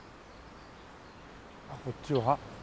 こっちは？